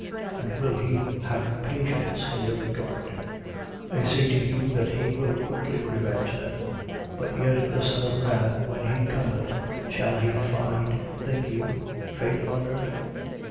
And will he have patience in their regard? 18:8. I say to you that he will quickly revenge them. But yet the Son of man, when he cometh, shall he find, think you, faith on earth?